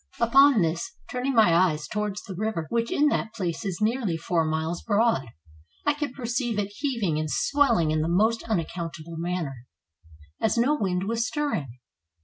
Upon this, turning my eyes towards the river, which in that place is nearly four miles broad, I could perceive it heaving and swelling in the most unaccount able manner, as no wind was stirring.